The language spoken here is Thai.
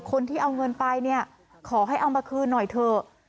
คนที่เอาเงินไปเนี่ยขอให้เอามาคืนหน่อยเถอะ